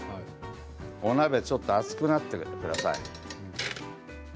お鍋、ちょっと熱くなっておいてください。